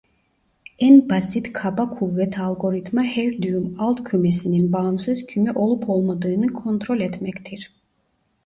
En basit kaba kuvvet algoritma her düğüm alt kümesinin bağımsız küme olup olmadığını kontrol etmektir.